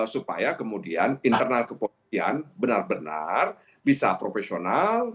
supaya kemudian internal kepolisian benar benar bisa profesional